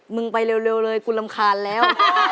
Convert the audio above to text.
มึงไปเร็วเลยกูรำคาญแล้ว